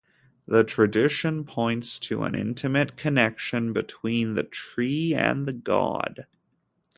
The tradition points to an intimate connection between the tree and the god.